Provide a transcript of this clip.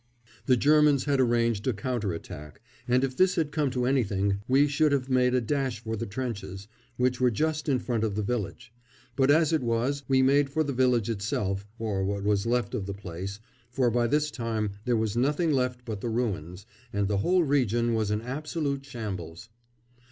The Germans had arranged a counter attack, and if this had come to anything we should have made a dash for the trenches, which were just in front of the village; but as it was we made for the village itself, or what was left of the place, for by this time there was nothing left but the ruins, and the whole region was an absolute shambles.